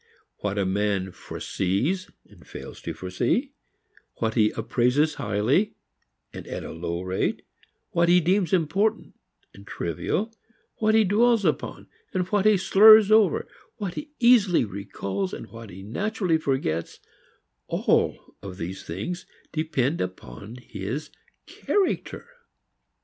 What a man foresees and fails to foresee, what he appraises highly and at a low rate, what he deems important and trivial, what he dwells upon and what he slurs over, what he easily recalls and what he naturally forgets all of these things depend upon his character.